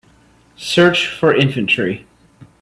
Search for Infantry